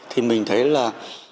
thì mình thấy là